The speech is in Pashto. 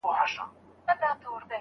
مورچل یو دی وطن یو دی یو مو قهر یوه مینه